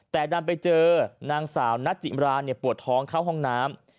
แต่นำไปเจอนางสาวนัสจิราเนี่ยปวดท้องเข้าห้องน้ำ